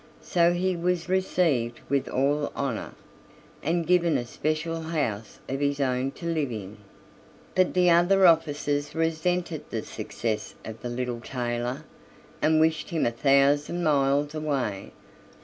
So he was received with all honor, and given a special house of his own to live in. But the other officers resented the success of the little tailor, and wished him a thousand miles away.